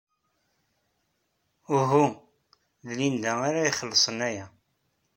Uhu, d Linda ara ixellṣen aya.